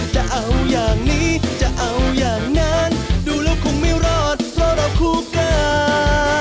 จะเอาอย่างนี้จะเอาอย่างนั้นดูแล้วคงไม่รอดเพราะเราคู่กัน